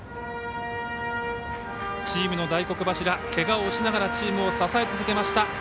チームの大黒柱けがをおしながらチームを支え続けました。